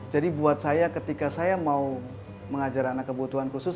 jadi buat saya ketika saya mau mengajar anak kebutuhan khusus